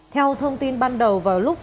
theo thông tin ban đầu vào lúc ba h ba mươi